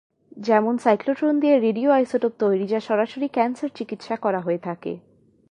যেমন, সাইক্লোট্রন দিয়ে radio isotope তৈরি যা সরাসরি ক্যান্সার চিকিৎসা করা হয়ে থাকে।